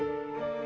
ceng eh tunggu